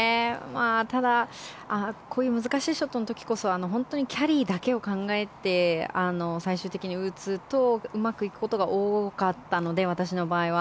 ただ、こういう難しいショットの時こそキャリーだけを考えて最終的に打つとうまくいくことが多かったので私の場合は。